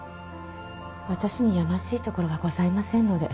私にやましいところはございませんので。